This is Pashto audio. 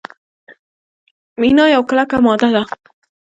مینا یوه کلکه ماده ده.